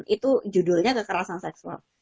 itu judulnya kekerasan seksual